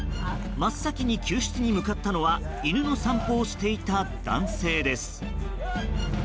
真っ先に救出に向かったのは犬の散歩をしていた男性です。